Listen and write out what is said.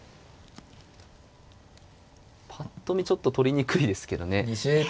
ぱっと見ちょっと取りにくいですけどね。